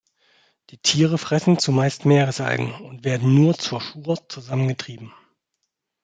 Die Tiere fressen zumeist Meeresalgen und werden nur zur Schur zusammengetrieben.